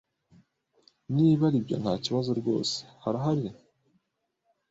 Niba aribyo, ntakibazo rwose, harahari?